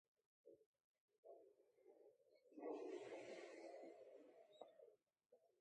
Аргъиб декӀси гӀяндли ил гӀяндруршули риъни, ва дудешла михъирлизибад чӀяр дурабикес хӀядурсиван сабри.